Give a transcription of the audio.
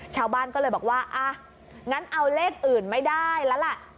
ชาวบ้านก็เลยบอกว่าอ่ะงั้นเอาเลขอื่นไม่ได้แล้วล่ะ